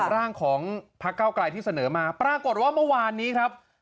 ร่างของพักเก้าไกลที่เสนอมาปรากฏว่าเมื่อวานนี้ครับ